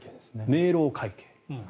明朗会計。